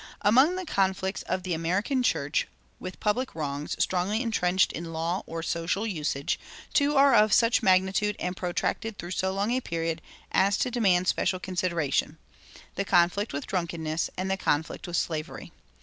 Among the conflicts of the American church with public wrongs strongly intrenched in law or social usage, two are of such magnitude and protracted through so long a period as to demand special consideration the conflict with drunkenness and the conflict with slavery.